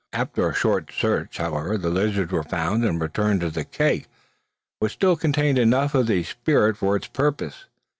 After a short search, however, the lizards were found and returned to the keg, which still contained enough of the spirit for his purposes.